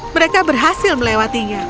mereka berhasil melewatinya